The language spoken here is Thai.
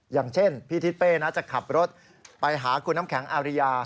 อย่างเช่นพี่ทิศเป้จะขับรถไปหาคุณน้ำแข็งอาริยา